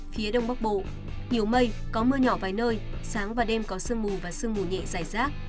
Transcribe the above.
phía đông bắc bộ nhiều mây có mưa nhỏ vài nơi sáng và đêm có sương mù và sương mù nhẹ dài rác